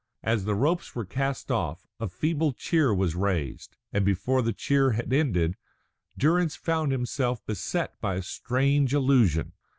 As the ropes were cast off, a feeble cheer was raised; and before the cheer had ended, Durrance found himself beset by a strange illusion.